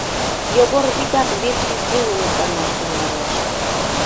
Йогор вигак вес йӱк дене мутланаш тӱҥалеш: